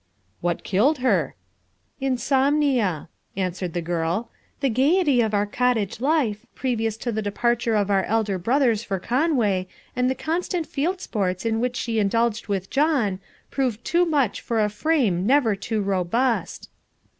"What killed her?" "Insomnia," answered the girl. "The gaiety of our cottage life, previous to the departure of our elder brothers for Conway, and the constant field sports in which she indulged with John, proved too much for a frame never too robust."